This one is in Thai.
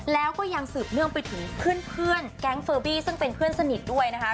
แล้วก็ยังสืบเนื่องไปถึงเพื่อนแก๊งเฟอร์บี้ซึ่งเป็นเพื่อนสนิทด้วยนะคะ